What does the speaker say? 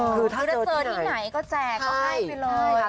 คือถ้าเจอที่ไหนก็แจกก็ให้ไปเลย